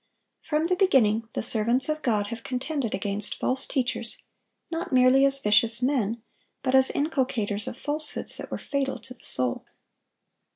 From the beginning, the servants of God have contended against false teachers, not merely as vicious men, but as inculcators of falsehoods that were fatal to the soul.